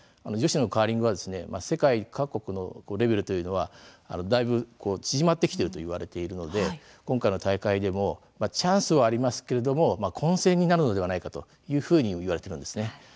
女子のカーリングは世界各国のレベルというのは、だいぶ縮まってきているといわれているので、今回の大会でもチャンスはありますけれども混戦になるのではないかと、いわれています。